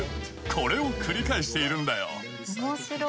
これを繰り返しているんだよ。